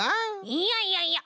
いやいやいや！